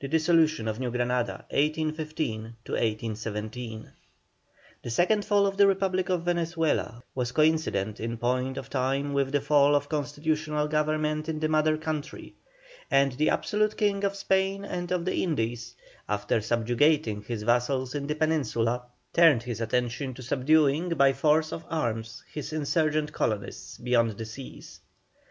THE DISSOLUTION OF NEW GRANADA. 1815 1817. The second fall of the Republic of Venezuela was coincident in point of time with the fall of constitutional government in the mother country, and the absolute King of Spain and of the Indies, after subjugating his vassals in the Peninsula, turned his attention to subduing by force of arms his insurgent colonists beyond the seas.